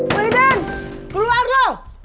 muhyiddin keluar lo